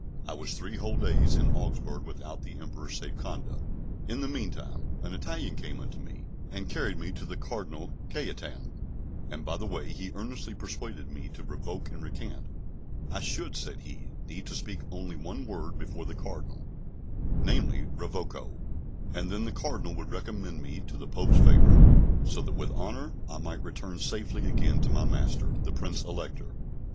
I was three whole days in Augsburg without the Emperor's safe conduct. In the mean time, an Italian came unto me, and carried me to the Cardinal Cajetan; and by the way he earnestly persuaded me to revoke and recant; I should, said he, need to speak but only one word before the Cardinal, namely, Revoco, and then the Cardinal would recommend me to the Pope's favour so that with honour I might return safely again to my master, the Prince Elector.